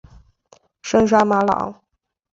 圣沙马朗。